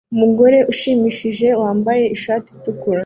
Umugore ushimishije wambaye ishati itukura